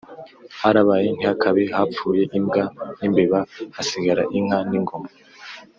Harabaye ntihakabe, hapfuye imbwa n’imbeba hasigara inka n’ingoma